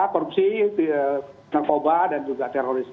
korupsi narkoba dan juga teroris